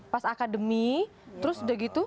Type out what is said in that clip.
pas akademi terus udah gitu